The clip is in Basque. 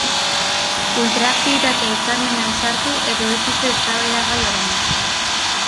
Ultraaktibitatea hitzarmenean sartu edo ez dute eztabaidagai orain.